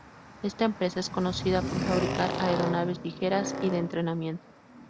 Esta empresa es conocida por fabricar aeronaves ligeras y de entrenamiento.